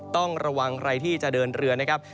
ต้องระวังใครที่จะเดินเรือนะครับ